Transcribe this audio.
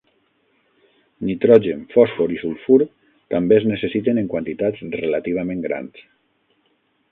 Nitrogen, fòsfor i sulfur també es necessiten en quantitats relativament grans.